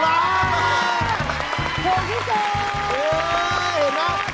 โหพี่เจ๋ง